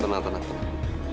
tenang tenang tenang